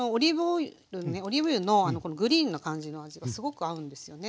オリーブ油のグリーンな感じの味がすごく合うんですよね。